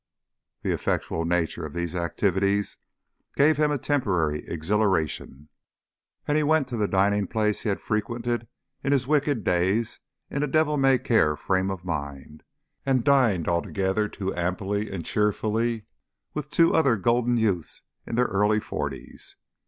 The effectual nature of these activities gave him a temporary exhilaration, and he went to the dining place he had frequented in his wicked days in a devil may care frame of mind, and dined altogether too amply and cheerfully with two other golden youths in their early forties.